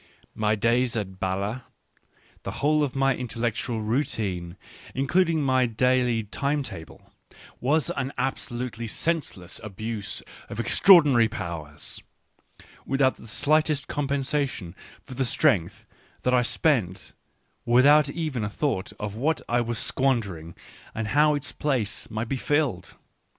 My days at B&le, the whole of my intellectual routine, in cluding my daily time table, was an absolutely senseless abuse of extraordinary powers, without the slightest compensation for the strength that I spent, without even a thought of what I was squan dering and how its place might be filled.